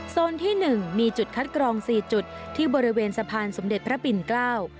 ที่หนึ่งมีจุดคัดกรองสี่จุดที่บริเวณสะพานสมเด็จพระปิ่นเกล้า